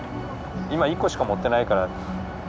今１個しか持ってないから。